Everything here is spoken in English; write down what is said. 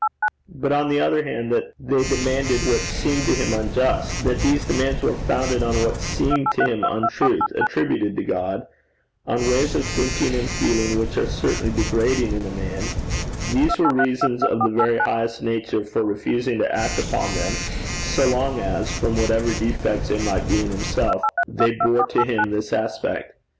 But on the other hand, that they demanded what seemed to him unjust, that these demands were founded on what seemed to him untruth attributed to God, on ways of thinking and feeling which are certainly degrading in a man, these were reasons of the very highest nature for refusing to act upon them so long as, from whatever defects it might be in himself, they bore to him this aspect.